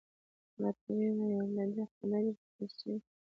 راته ویې ویل د ده خبرې په فارسي وې.